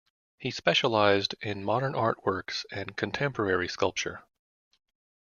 He specialised in modern art works and contemporary sculpture.